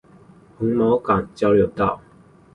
紅毛港交流道